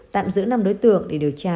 tạm giữ năm đối tượng để điều tra